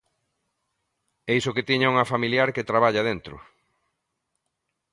E iso que tiña unha familiar que traballa dentro.